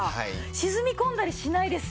沈み込んだりしないですしね。